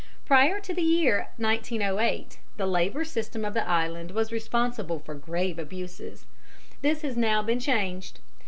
Prior to the year 1908, the labour system of the islands was responsible for grave abuses. This has now been changed.